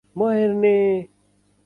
म हेर्ने!!